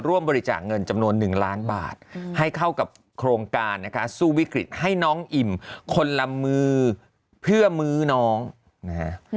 ร่วมบริจาคเงินจำนวน๑ล้านบาทให้เข้ากับโครงการนะคะสู้วิกฤตให้น้องอิ่มคนละมือเพื่อมื้อน้องนะฮะ